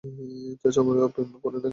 চাচা মামার প্রেমে পড়ে না কি কেউ?